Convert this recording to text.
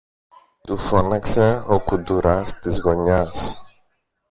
του φώναξε ο κουντουράς της γωνιάς.